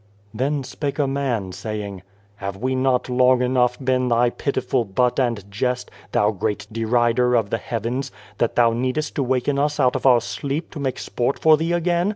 Then spake a man, saying :" Have we not long enough been Thy pitiful butt and jest, Thou Great Derider of the Heavens, that Thou needest to waken us out of our sleep to make sport for Thee again